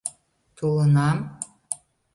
— Толынам.